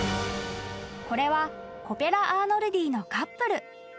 ［これはコペラ・アーノルディのカップル］